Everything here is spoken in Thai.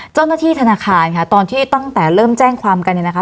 เจ้าหน้าที่ธนาคารค่ะตอนที่ตั้งแต่เริ่มแจ้งความกันเนี่ยนะคะ